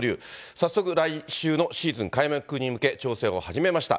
早速来週のシーズン開幕に向け、調整を始めました。